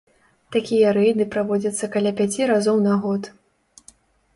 Такія рэйды праводзяцца каля пяці разоў на год.